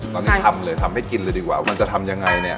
ตอนนี้ทำเลยทำให้กินเลยดีกว่ามันจะทำยังไงเนี่ย